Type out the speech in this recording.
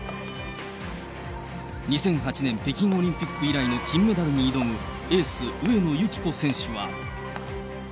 ２００８年北京オリンピック以来の金メダルに挑むエース、上野由岐子選手は。